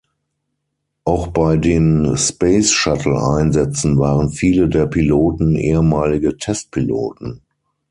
Auch bei den Space-Shuttle-Einsätzen waren viele der Piloten ehemalige Testpiloten.